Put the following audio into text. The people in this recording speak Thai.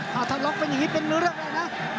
ถ้าล็อกเป็นอย่างนี้เป็นเรื่องอะไรนะ